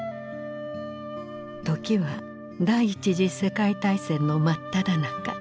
時は第一次世界大戦の真っただ中。